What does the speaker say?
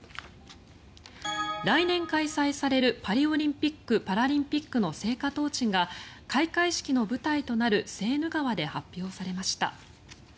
来年開催されるパリオリンピック・パラリンピックの聖火トーチが開会式の舞台となるセーヌ川で発表されました。